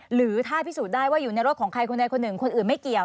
หรือถ้าพิสูจน์ได้ว่าอยู่ในรถของใครคนใดคนหนึ่งคนอื่นไม่เกี่ยว